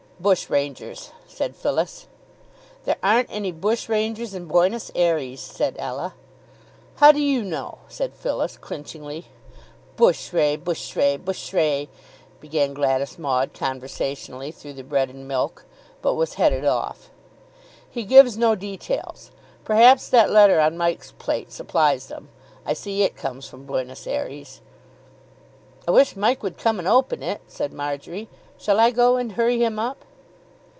"Bushrangers," said Phyllis. "There aren't any bushrangers in Buenos Ayres," said Ella. "How do you know?" said Phyllis clinchingly. "Bush ray, bush ray, bush ray," began Gladys Maud, conversationally, through the bread and milk; but was headed off. "He gives no details. Perhaps that letter on Mike's plate supplies them. I see it comes from Buenos Ayres." "I wish Mike would come and open it," said Marjory. "Shall I go and hurry him up?"